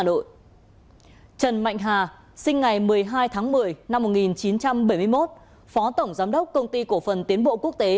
trần mạnh hà sinh ngày một mươi hai tháng một mươi năm một nghìn chín trăm bảy mươi một phó tổng giám đốc công ty cổ phần tiến bộ quốc tế